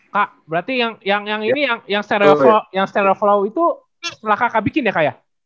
kak berarti yang ini yang stereo flow itu setelah kakak bikin ya kak ya